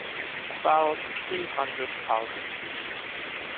About three hundred thousand.